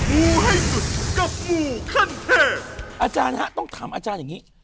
ูให้สุดกับงูขั้นเทพอาจารย์ฮะต้องถามอาจารย์อย่างนี้